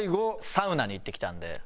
サウナに行ってきたんで。